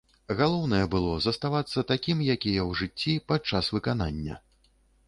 Галоўнае было заставацца такім, які я ў жыцці, падчас выканання.